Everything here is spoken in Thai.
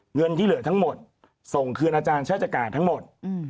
เงินที่เหลือทั้งหมดส่งคืนอาจารย์ชาติการทั้งหมด